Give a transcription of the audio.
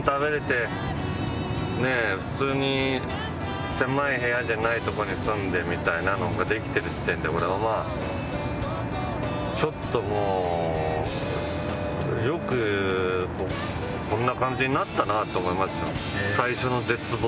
普通に狭い部屋じゃない所に住んでみたいなのができてる時点で俺はまあちょっともうよくこんな感じになったなと思いますよ。